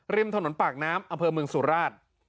ริมถนนปากน้ำอำเภอเมืองสุราช